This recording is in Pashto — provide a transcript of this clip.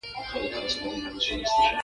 ورسره د بلې دنیا سعادت تضمین کوي.